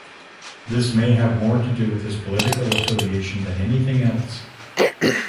This may have more to do with his political affiliation than anything else.